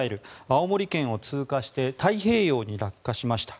青森県を通過して太平洋に落下しました。